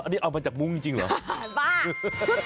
อันนี้เอามาจากมุ้งจริงเหรอ